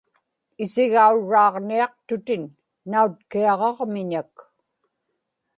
isigaurraaġniaqtutin; nautkiaġaġmiñak